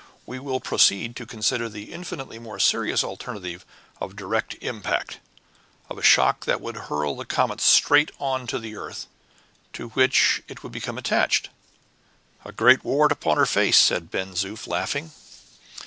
We will proceed to consider the infinitely more serious alternative of direct impact; of a shock that would hurl the comet straight on to the earth, to which it would become attached." "A great wart upon her face!" said Ben Zoof, laughing.